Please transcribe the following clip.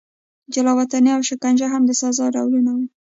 جلا وطني او شکنجه هم د سزا ډولونه وو.